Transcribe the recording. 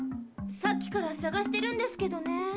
さっきからさがしてるんですけどね。